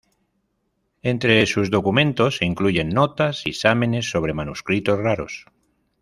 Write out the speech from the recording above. Entre sus documentos se incluyen notas y exámenes sobre manuscritos raros.